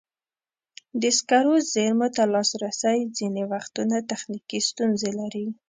د سکرو زېرمو ته لاسرسی ځینې وختونه تخنیکي ستونزې لري.